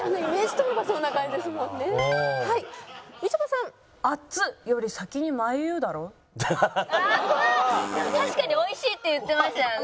でも確かに「美味しい」って言ってましたよね。